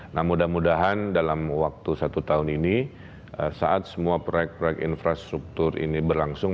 nah mudah mudahan dalam waktu satu tahun ini saat semua proyek proyek infrastruktur ini berlangsung